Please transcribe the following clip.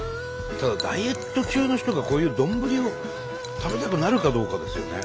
ただダイエット中の人がこういう丼を食べたくなるかどうかですよね。